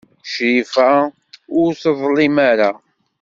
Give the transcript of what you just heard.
Crifa ur teḍlim ara.